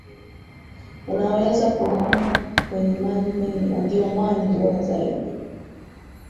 unaweza kulimwa kwenye maji mengi na ndio mwani bora zaidi